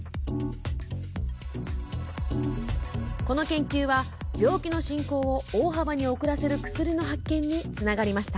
この研究は病気の進行を大幅に遅らせる薬の発見につながりました。